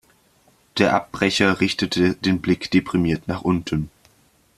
Der Abbrecher richtete den Blick deprimiert nach unten.